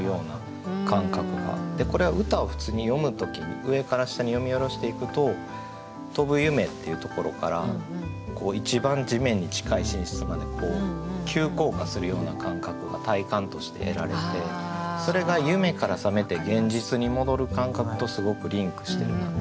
これは歌を普通に読む時に上から下に読み下ろしていくと「飛ぶ夢」っていうところから「一番地面に近い寝室」まで急降下するような感覚が体感として得られてそれが夢から覚めて現実に戻る感覚とすごくリンクしてるなと。